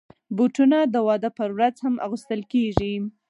بوټونه د واده پر ورځ هم اغوستل کېږي.